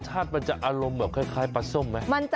รสชาติมันจะอารมณ์แบบคล้ายปลาส้มไหม